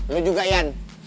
lu juga yan